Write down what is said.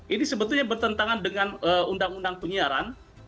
ini sebetulnya bertentangan dengan undang undang penyiaran